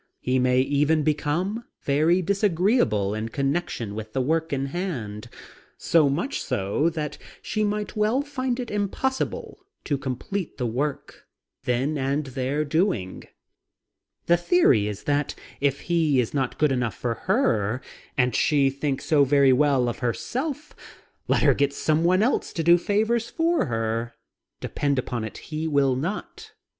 He may even become very disagreeable in connection with the work in hand, so much so that she might well find it impossible to complete the work then and there doing. The theory is that if he is not good enough for her, and she things so very well of herself, let her get someone else to do favors for her. Depend upon it, he will not.